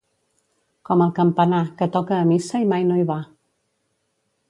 Com el campanar, que toca a missa i mai no hi va.